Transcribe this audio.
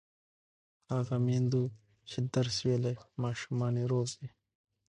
هغه میندو چې درس ویلی، ماشومان یې روغ دي.